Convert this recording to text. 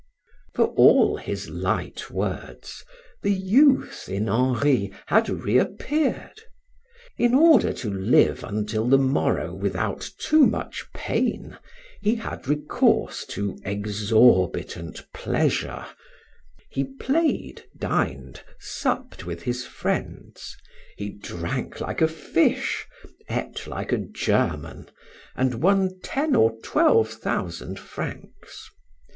For all his light words, the youth in Henri had reappeared. In order to live until the morrow without too much pain, he had recourse to exorbitant pleasure; he played, dined, supped with his friends; he drank like a fish, ate like a German, and won ten or twelve thousand francs.